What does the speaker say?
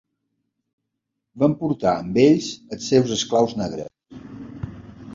Van portar amb ells els seus esclaus negres.